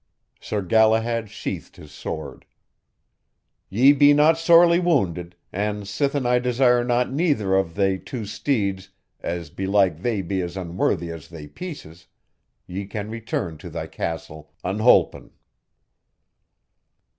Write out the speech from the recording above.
Sir Galahad sheathed his sword. "Ye be not sorely wounded, and sithen I desire not neither of they two steeds, as belike they be as unworthy as they pieces, ye can return to thy castle unholpen."